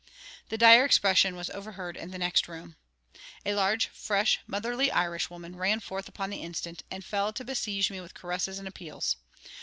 The dire expression was overheard in the next room. A large, fresh, motherly Irishwoman ran forth upon the instant, and fell to besiege me with caresses and appeals.